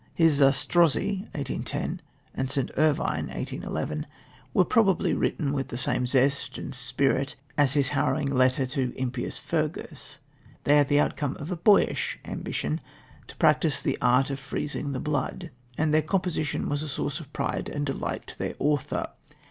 His Zastrozzi (1810) and St. Irvyne (1811) were probably written with the same zest and spirit as his harrowing letter to "impious Fergus." They are the outcome of a boyish ambition to practise the art of freezing the blood, and their composition was a source of pride and delight to their author.